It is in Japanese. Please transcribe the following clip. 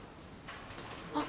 あっ！